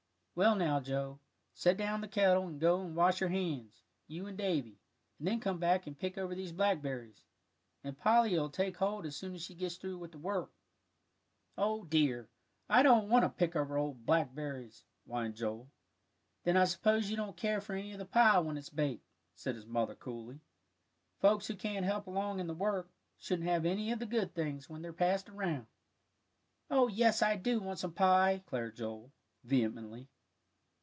Well now, Joe, set down the kettle, and go and wash your hands, you and Davie, and then come back and pick over these blackberries, and Polly'll take hold as soon as she gets through with the work." "O dear, I don't want to pick over old blackberries," whined Joel. "Then I suppose you don't care for any of the pie when it's baked," said his mother, coolly; "folks who can't help along in the work, shouldn't have any of the good things when they're passed around." "Oh, yes, I do want some pie," declared Joel, vehemently.